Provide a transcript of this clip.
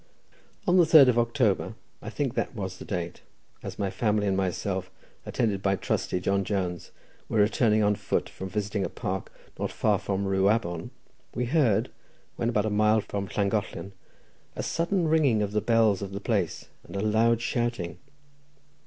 On the third of October—I think that was the date—as my family and myself, attended by trusty John Jones, were returning on foot from visiting a park not far from Rhiwabon, we heard, when about a mile from Llangollen, a sudden ringing of the bells of the place, and a loud shouting.